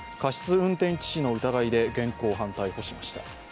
運転致死の疑いで現行犯逮捕しました。